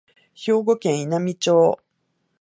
兵庫県稲美町